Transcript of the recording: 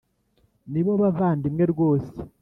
nibo bavandimwe rwose